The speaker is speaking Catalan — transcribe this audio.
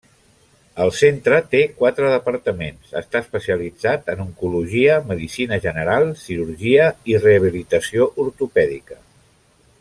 El centre té quatre departaments, està especialitzat en oncologia, medicina general, cirurgia i rehabilitació ortopèdica.